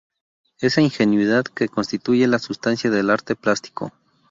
Esa ingenuidad que constituye la sustancia del arte plástico.